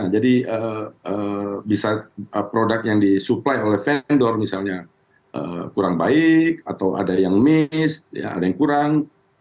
jadi bisa produk yang disupply oleh vendor misalnya kurang baik atau ada yang miss ada yang kurang